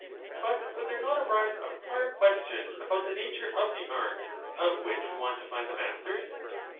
But would there not arise a prior question about the nature of the art of which we want to find the masters?